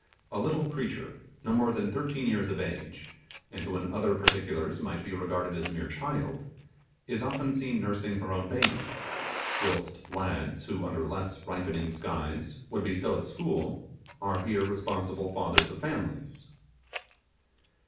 A little creature, not more than thirteen years of age, and who in other particulars might be regarded as a mere child, is often seen nursing her own baby, whilst lads who, under less ripening skies, would be still at school, are here responsible fathers of families.